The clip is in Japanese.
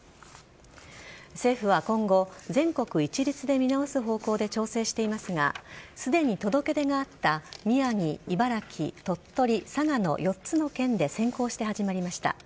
政府は今後、全国一律で見直す方向で調整していますがすでに届け出があった宮城、茨城、鳥取佐賀の４つの県で先行して始まりました。